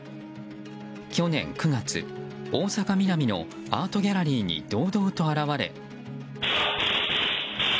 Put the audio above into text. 去年９月、大阪・ミナミのアートギャラリーに堂々と現れ。